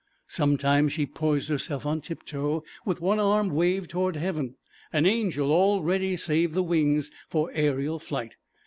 Sometimes she poised herself on tiptoe with one arm waved toward heaven, an angel all ready, save the wings, for aerial flight.